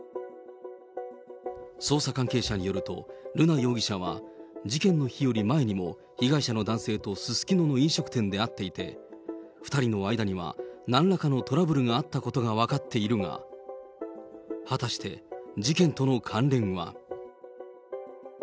捜査関係者によると、瑠奈容疑者は、事件の日より前にも、被害者の男性とすすきのの飲食店で会っていて、２人の間にはなんらかのトラブルがあったことが分かっているが、果たして、事件との関連は。